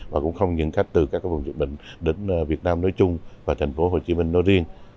và cũng không những khách từ các vùng dịch bệnh đến việt nam nói chung và thành phố hồ chí minh nói riêng